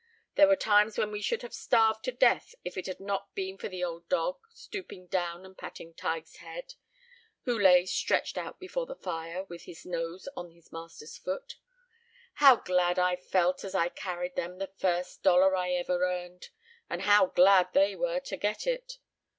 There were times when we should have starved to death, if it had not been for the old dog (stooping down and patting Tige's head, who lay stretched out before the fire, with his nose on his master's foot). How glad I felt as I carried them the first dollar I ever earned! and how glad they were to get it!